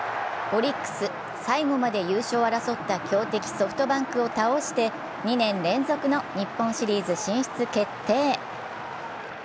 オリックス、最後まで優勝を争った強敵ソフトバンクを倒して２年連続の日本シリーズ進出決定。